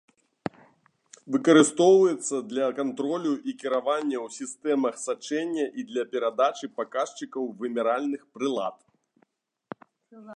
Выкарыстоўваюцца для кантролю і кіравання ў сістэмах сачэння і для перадачы паказчыкаў вымяральных прылад.